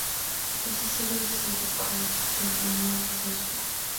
The green city is inside what is called 'Sugar Belt' of Maharashtra.